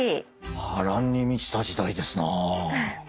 波乱に満ちた時代ですなあ。